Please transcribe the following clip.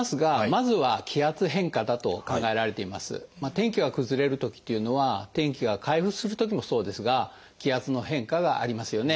天気が崩れるときというのは天気が回復するときもそうですが気圧の変化がありますよね。